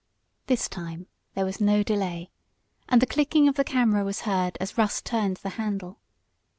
This time there was no delay, and the clicking of the camera was heard as Russ turned the handle.